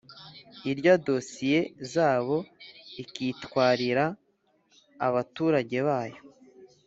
irya dosiye zabo ikitwarira abaturage bayo